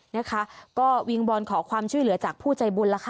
นะคะก็วิงวอนขอความช่วยเหลือจากผู้ใจบุญแล้วค่ะ